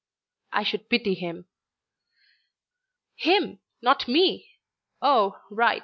"I should pity him." "Him not me! Oh! right!